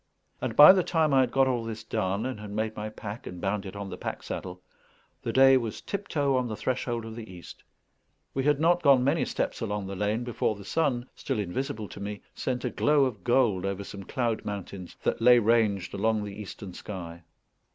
And by the time I had got all this done, and had made my pack and bound it on the pack saddle, the day was tiptoe on the threshold of the east. We had not gone many steps along the lane, before the sun, still invisible to me, sent a glow of gold over some cloud mountains that lay ranged along the eastern sky.